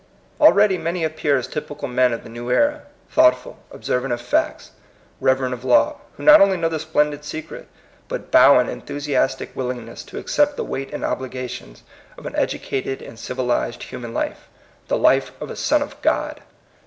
Already many appear as typical men of the new era, thoughtful, observant of facts, reverent of law, who not only know the splendid secret, but bow in enthusiastic willingness to accept the weight and obligations of an educated and civilized human life, the life of a son of God!